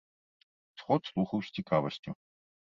Сход слухаў з цікавасцю.